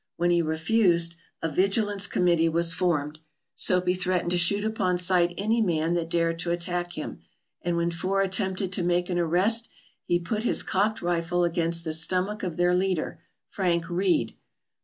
When he refused, a vigilance committee was formed. Soapy threatened to shoot upon sight any man that dared to attack him, and when four attempted to make an arrest he put his cocked rifle against the stomach of their leader, Frank Reid.